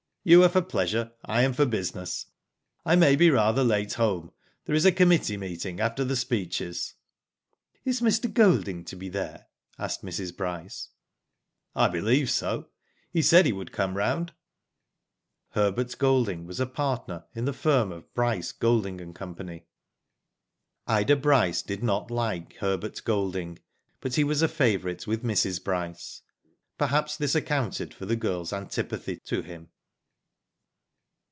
"You are for pleasure, I am for business. I may be rather late home, there is a committee meeting after the speeches." "Is Mr. Golding to be there?" asked Mrs. Bryce. "I believe so. He said he would come round." Herbert Golding was a partner in the firm of Bryce, Golding, and Co. Ida Bryce did not like Herbert Golding, but he was a favourite with Mrs. Bryce. Perhaps this accounted for the girl's antipathy to him.